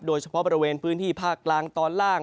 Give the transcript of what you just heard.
โดยเฉพาะบริเวณพื้นที่ภาคกลางตอนล่าง